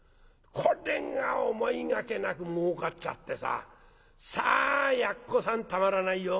これが思いがけなくもうかっちゃってささあやっこさんたまらないよ。